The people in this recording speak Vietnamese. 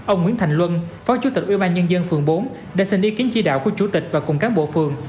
ông nguyễn thành luân phó chủ tịch ubnd phường bốn đã xin ý kiến chỉ đạo của chủ tịch và cùng cán bộ phường